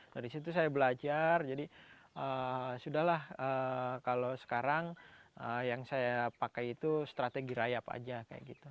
dari situ saya belajar jadi sudah lah kalau sekarang yang saya pakai itu strategi rayap aja kayak gitu